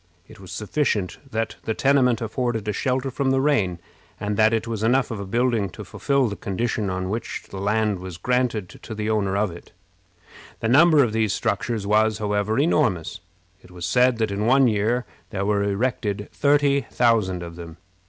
It was sufficient that the tenement afforded a shelter from the rain, and that it was enough of a building to fulfill the condition on which the land was granted to the owner of it. The number of these structures was, however, enormous. It was said that in one year there were erected thirty thousand of them.